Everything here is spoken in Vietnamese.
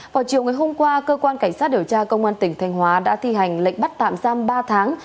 vào chiều ngày hôm qua cơ quan cảnh sát điều tra công an tỉnh thanh hóa đã thi hành lệnh bắt tạm giam ba tháng